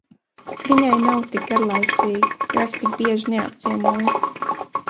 Viņai nav tik garlaicīgi, jo es tik bieži neapciemoju.